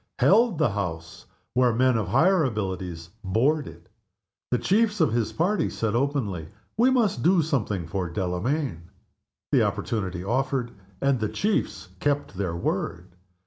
Held the House, where men of higher abilities "bored" it. The chiefs of his party said openly, "We must do something for Delamayn," The opportunity offered, and the chiefs kept their word.